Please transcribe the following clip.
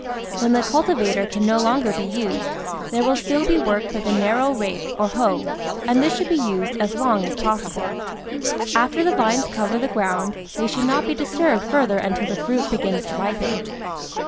When the cultiva tor can no longer be used, there will still be work for the narrow rake or hoe, and this should be used as long as possible. After the vines cover the ground they should not be disturbed further until the fruit begins to ripen.